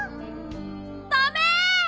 ダメ！